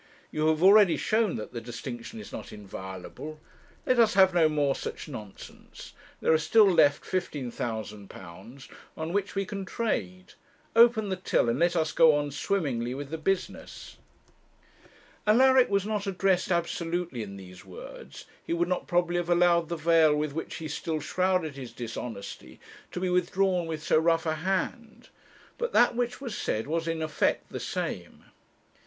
You have already shown that the distinction is not inviolable; let us have no more such nonsense; there are still left £15,000 on which we can trade; open the till, and let us go on swimmingly with the business.' Alaric was not addressed absolutely in these words; he would not probably have allowed the veil with which he still shrouded his dishonesty to be withdrawn with so rough a hand; but that which was said was in effect the same.